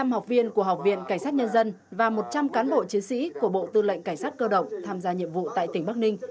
một mươi học viên của học viện cảnh sát nhân dân và một trăm linh cán bộ chiến sĩ của bộ tư lệnh cảnh sát cơ động tham gia nhiệm vụ tại tỉnh bắc ninh